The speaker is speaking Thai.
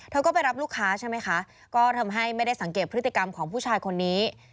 เธอก็ไปรับลูกค้าใช่ไหมคะก็ทำให้ไม่ได้สังเกตพฤติกรรมของผู้ชายคนนี้